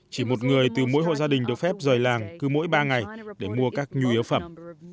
chỉ một người từ mỗi hộ gia đình được phép rời làng cứ mỗi ba ngày để mua các nhu yếu phẩm